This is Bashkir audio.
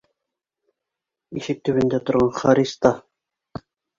Ишек төбөндә торған Харис та: